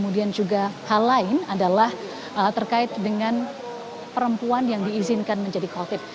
dan juga hal lain adalah terkait dengan perempuan yang diizinkan menjadi covid